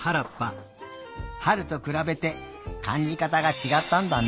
はるとくらべてかんじかたがちがったんだね。